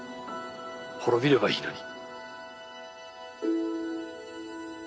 滅びればいいのに。